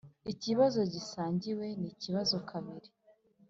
ikibazo gisangiwe nikibazo kabiri